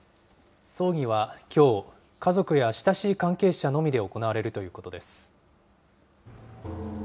葬儀はきょう、家族や親しい関係者のみで行われるということです。